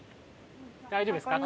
大丈夫ですか？